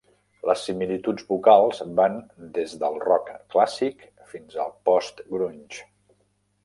Les similituds vocals van des del rock clàssic fins al post-grunge.